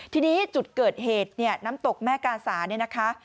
ทีนี้จุดเกิดเหตุเนี่ยน้ำตกแม่กาสาเนี่ยนะคะ